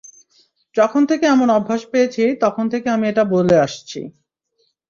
যখন থেকে এমন আভাস পেয়েছি, তখন থেকে আমি এটা বলে আসছি।